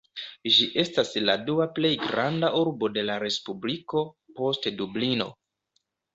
Ĝi estas la dua plej granda urbo de la respubliko, post Dublino.